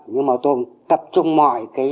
nhưng mà tôi tập trung mọi cái